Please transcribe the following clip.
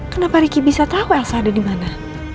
kenapa ricky bisa tau elsa ada dimana